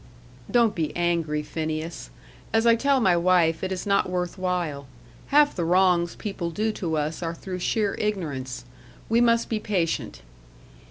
"Don't be angry, Phineas. As I tell my wife, it is not worth while. Half the wrongs people do to us are through sheer ignorance. We must be patient.